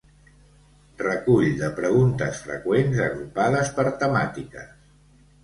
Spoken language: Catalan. Recull de preguntes freqüents agrupades per temàtiques.